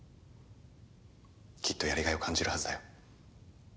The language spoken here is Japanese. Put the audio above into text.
きっとやりがいを感じるはずだよ。